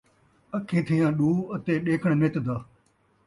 اکھیں تھیاں ݙو، اتے ݙیکھݨا نت دا